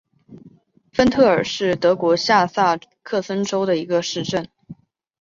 芬特尔是德国下萨克森州的一个市镇。